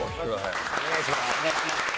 お願いします。